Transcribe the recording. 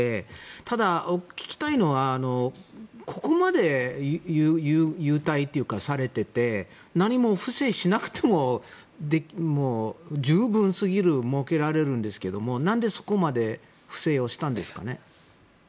ただ、聞きたいのはここまで優待されてて何も不正しなくても十分すぎるくらいにもうけられるんですけれども何で、そこまで不正をしたんですかね。